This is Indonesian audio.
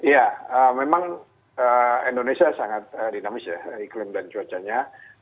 ya memang indonesia sangat dinamis ya iklim dan cuacanya